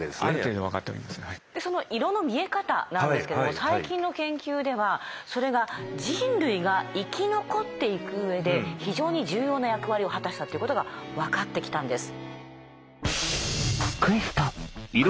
でその色の見え方なんですけども最近の研究ではそれが人類が生き残っていくうえで非常に重要な役割を果たしたっていうことが分かってきたんです。